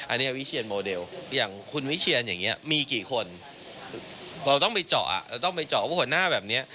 อันนี้วิเชียนโมเดลอย่างคุณวิเชียนอย่างนี้มีกี่คนเราต้องไปเจาะเราต้องไปเจาะว่าหัวหน้าแบบนี้